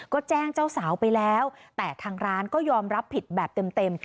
ก็แจ้งเจ้าสาวไปแล้วแต่ทางร้านก็ยอมรับผิดแบบเต็ม